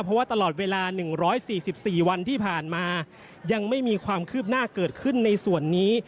เพราะว่าตลอดเวลา๑๔๔วันที่ผ่านมายังไม่มีความคืบหน้าเกิดขึ้นในส่วนนี้